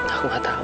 aku gak tau